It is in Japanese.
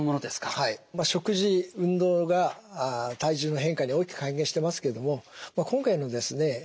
はい食事運動が体重の変化に大きく関係してますけども今回のですね